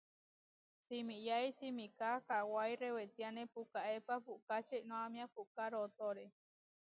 Simiyái simiká kawái rewétiane pukaépa puʼkáče Iʼnómia puʼká rootóre.